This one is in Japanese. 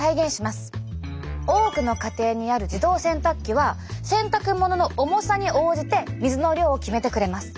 多くの家庭にある自動洗濯機は洗濯物の重さに応じて水の量を決めてくれます。